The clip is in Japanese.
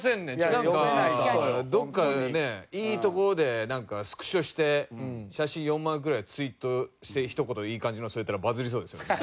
なんかどっかねいいところでスクショして写真４枚ぐらいツイートしてひと言いい感じの添えたらバズりそうですよね